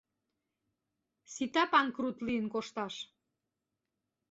Сита панкрут лийын кошташ.